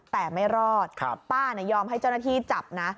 แต่ไม่รอดป้ายอมให้เจ้าหน้าที่จับนะ